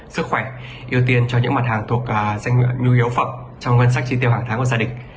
sức khỏe ưu tiên cho những mặt hàng thuộc nhu yếu phẩm trong ngân sách chi tiêu hàng tháng của gia đình